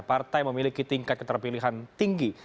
partai memiliki tingkat keterpilihan tinggi